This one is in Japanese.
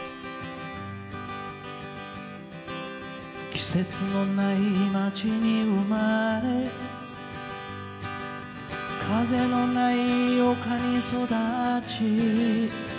「季節のない街に生れ風のない丘に育ち」